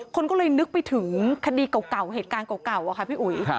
คนก็เลยนึกไปถึงคดีเก่าเหตุการณ์เก่าอะค่ะพี่อุ๋ย